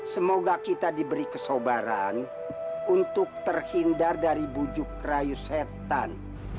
semoga kita diberi kesabaran untuk terhindar dari bujuk rayu setan